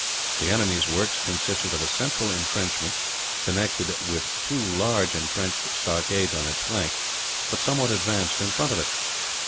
The enemy's works consisted of a central entrenchment, connected with two large entrenched stockades on its flank, but somewhat advanced in front of it.